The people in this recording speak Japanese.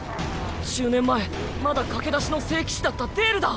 １０年前まだ駆け出しの聖騎士だったデールだ。